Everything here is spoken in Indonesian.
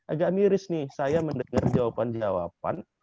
agak miris nih saya mendengar jawaban jawaban